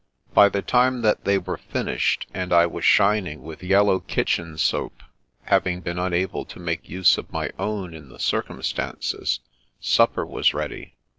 By the time that they were finished, and I was shining with yellow kitchen soap, having been unable to make use of my own in the circum stances, supper was ready.